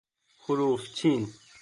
حروفچین